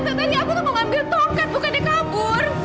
tante tadi aku mau ambil tongkat bukan dia kabur